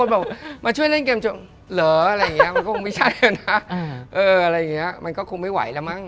เอออะไรอย่างนี้มันก็คงไม่ไหวแล้วมั้ง